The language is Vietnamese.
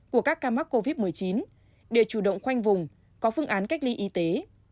của các ca mắc covid một mươi chín để chủ động khoanh vùng có phương án cách ly y tế